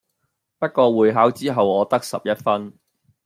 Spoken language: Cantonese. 不過會考之後我得十一分⠀